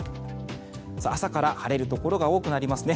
朝から晴れるところが多くなりますね。